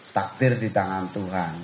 takdir di tangan tuhan